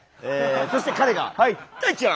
そして彼が大ちゃん。